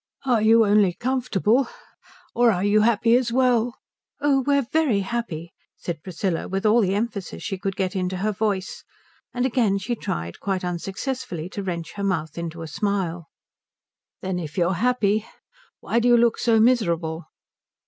"Are you only comfortable, or are you happy as well?" "Oh, we're very happy," said Priscilla with all the emphasis she could get into her voice; and again she tried, quite unsuccessfully, to wrench her mouth into a smile. "Then, if you're happy, why do you look so miserable?"